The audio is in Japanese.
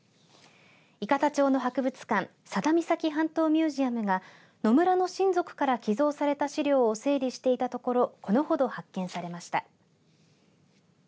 伊方町の博物館佐田岬半島ミュージアムが野村の親族から寄贈された資料を整理していたところこのほど発見されました。